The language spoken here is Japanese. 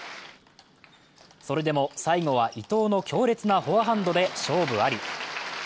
それでも最後は伊藤の強烈なフォアハンドで勝負あり。